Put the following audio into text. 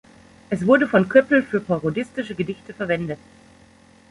Es wurde von Koeppel für parodistische Gedichte verwendet.